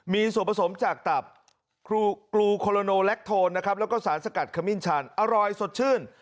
มีส่วนผสมจากกลูโคโลโนแล็คโทนและสารสกัดขมิ้นชาญอร่อยสดชื่น